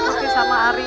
jangan tinggalkan arie